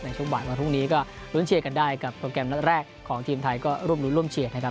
ช่วงบ่ายวันพรุ่งนี้ก็รุ้นเชียร์กันได้กับโปรแกรมนัดแรกของทีมไทยก็ร่วมรุ้นร่วมเชียร์นะครับ